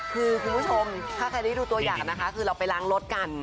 คือคุณผู้ชมถ้าใครได้ดูตัวอย่างนะคะคือเราไปล้างรถกัน